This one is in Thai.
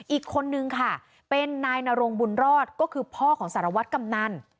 อีกคนนึงค่ะเป็นนายนรงบุญรอดก็คือพ่อของสารวัตรกำนัน